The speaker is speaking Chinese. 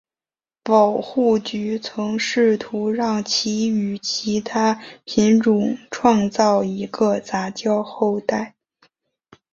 保护局曾试图让其与其它品种创造一个杂交后代。